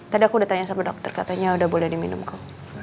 tadi aku udah tanya sama dokter katanya udah boleh diminumku